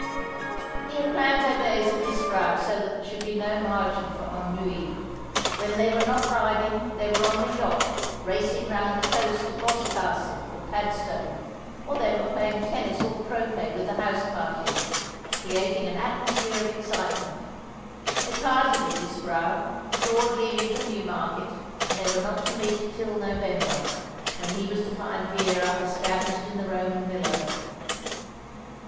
He had planned their days at Disbrowe so that there should be no margin for ennui. When they were not riding they were on the yacht racing round the coast to Boscastle or Padstow: or they were playing tennis or croquet with the house party, creating an atmosphere of excitement. They parted at Disbrowe, Claude leaving for Newmarket; and they were not to meet till November, when he was to find Vera established in the Roman villa.